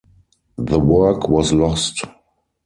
The work was lost.